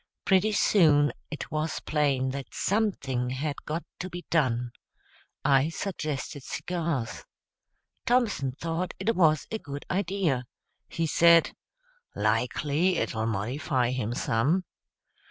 Pretty soon it was plain that something had got to be done. I suggested cigars. Thompson thought it was a good idea. He said, "Likely it'll modify him some."